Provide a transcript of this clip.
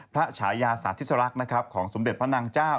พระฉายาศาสตร์ทิศลักษณ์ของสมเด็จพระนางเจ้า